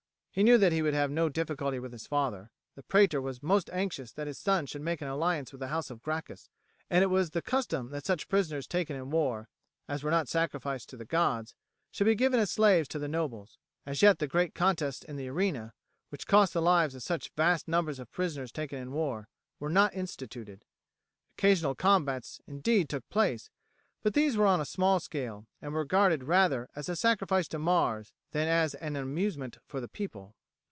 He knew that he would have no difficulty with his father. The praetor was most anxious that his son should make an alliance with the house of Gracchus, and it was the custom that such prisoners taken in war, as were not sacrificed to the gods, should be given as slaves to the nobles. As yet the great contests in the arena, which cost the lives of such vast numbers of prisoners taken in war, were not instituted. Occasional combats, indeed, took place, but these were on a small scale, and were regarded rather as a sacrifice to Mars than as an amusement for the people.